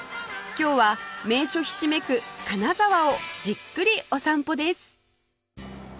今日は名所ひしめく金沢をじっくりお散歩です